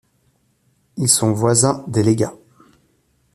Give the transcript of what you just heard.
Ils sont voisins des Lega.